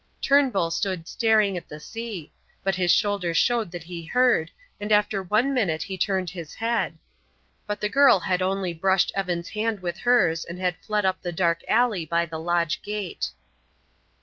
Turnbull stood staring at the sea; but his shoulders showed that he heard, and after one minute he turned his head. But the girl had only brushed Evan's hand with hers and had fled up the dark alley by the lodge gate.